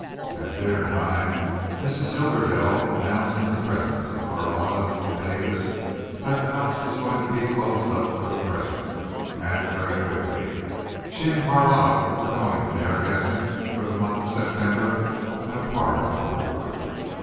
At dinner time Mrs. Hibberdell announced in the presence of Carlotta and Davis that the house was going to be closed up for the present, and very quickly. She and Carlotta were going to Narragansett for the month of September and a part of October.